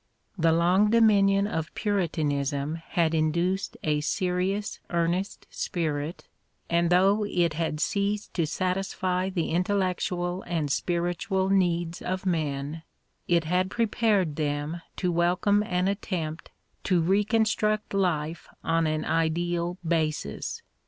The long dominion of Puritanism had induced a serious, earnest spirit, and though it had ceased to satisfy the intellectual and spiritual needs of men, it had prepared them to welcome an attempt to reconstruct life on an ideal basis.